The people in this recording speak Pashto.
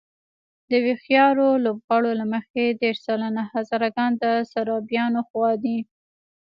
د هوښیارو لوبغاړو له مخې دېرش سلنه هزاره ګان د سرابيانو خوا دي.